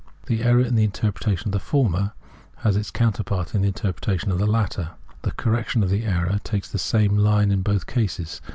'" The error in the interpretation of the former has it^; counterpart in the interpretation of the latter. The; correction of the error takes the same line in both cases.